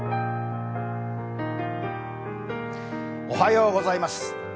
おはようございます。